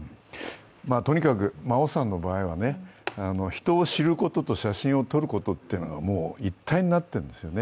とにかく真生さんの場合は、人を知ることと写真を撮ることが一体になってるんですよね。